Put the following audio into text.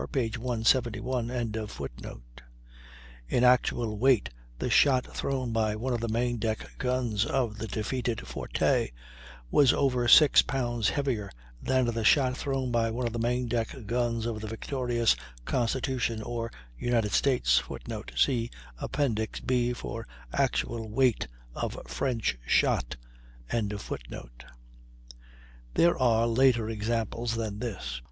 ] In actual weight the shot thrown by one of the main deck guns of the defeated Forte was over six pounds heavier than the shot thrown by one of the main deck guns of the victorious Constitution or United States. [Footnote: See Appendix B, for actual weight of French shot.] There are later examples than this.